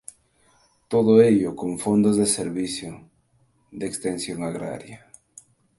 Todo ello con fondos del Servicio de extensión agraria.